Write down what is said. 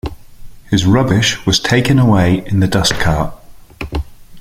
His rubbish was taken away in the dustcart